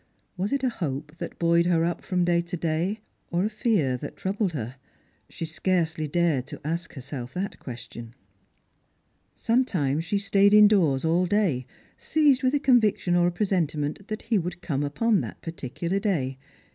Was it a hope that buoyed her up from day to day, or a fear that troubled her ? She scarcely dared to ask herself that question. Sometimes she stayed indoors all day, seized with a con viction or a presentiment that he would come upon that parti cular day.